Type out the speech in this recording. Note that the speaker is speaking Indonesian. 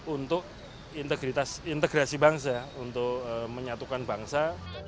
untuk integrasi bangsa untuk menyatukan bangsa